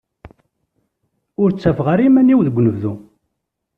Ur ttafeɣ ara iman-iw deg unebdu.